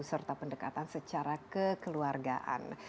serta pendekatan secara kekeluargaan